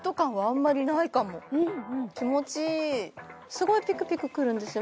すごいピクピクくるんですよ